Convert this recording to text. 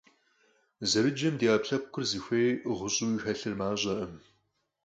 Зэрыджэм ди Ӏэпкълъэпкъыр зыхуей гъущӀуи хэлъыр мащӀэкъым.